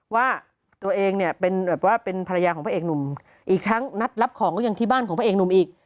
ว่าตัวเองเนี่ยเป็นแบบว่าเป็นภรรยาของพระเอกหนุ่มอีกทั้งนัดรับของก็ยังที่บ้านของพระเอกหนุ่มอีก